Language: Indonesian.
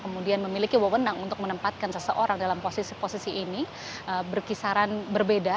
memiliki wawenang untuk menempatkan seseorang dalam posisi posisi ini berkisaran berbeda